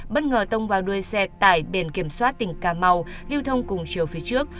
bất ngờ tông vào đuôi xe tải biển kiểm soát tỉnh cà mau lưu thông cùng chiều phía trước